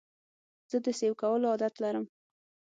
زه د سیو کولو عادت لرم.